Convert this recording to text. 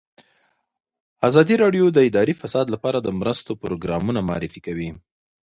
ازادي راډیو د اداري فساد لپاره د مرستو پروګرامونه معرفي کړي.